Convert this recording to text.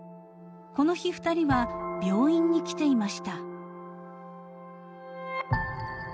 ［この日２人は病院に来ていました］